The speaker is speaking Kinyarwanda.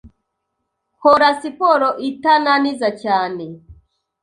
kora siporo itananiza cyane,